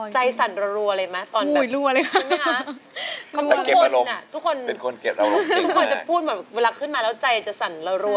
จริงอย่างที่เขาว่าไหมครับ